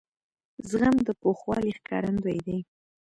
زغم د پوخوالي ښکارندوی دی.